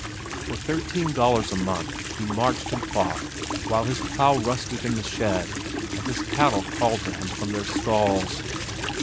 For thirteen dollars a month he marched and fought while his plow rusted in the shed and his cattle called to him from their stalls.